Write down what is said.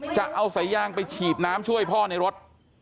จะเอาสายยางไปฉีดน้ำช่วยพ่อในรถ